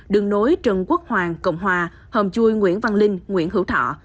đường nối trần quốc hoàng cộng hòa hầm chui nguyễn văn linh nguyễn hữu thọ